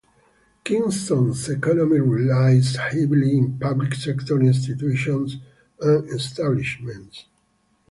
Kingston's economy relies heavily on public sector institutions and establishments.